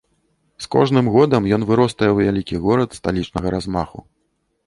З кожным годам ён выростае ў вялікі горад сталічнага размаху.